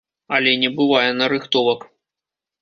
Але не бывае нарыхтовак.